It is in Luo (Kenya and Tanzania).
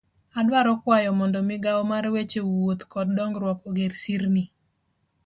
Adwaro kwayo mondo migao mar weche wuoth kod dongruok oger sirni.